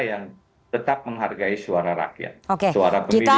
yang tetap menghargai suara rakyat